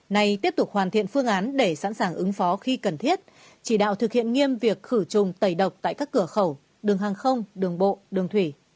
này tiếp tục hoàn thiện phương án để sẵn sàng ứng phó khi cần thiết chỉ đạo thực hiện nghiêm việc khử trùng tẩy độc tại các cửa khẩu đường hàng không đường bộ đường thủy